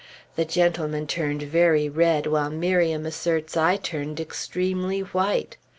The gentleman turned very red, while Miriam asserts I turned extremely white.